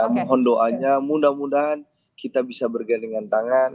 mohon doanya mudah mudahan kita bisa bergandengan tangan